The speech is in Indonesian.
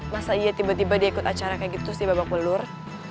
masa iya tiba tiba dia ikut acara kayak gitu sih babak belur